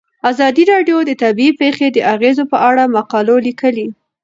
ازادي راډیو د طبیعي پېښې د اغیزو په اړه مقالو لیکلي.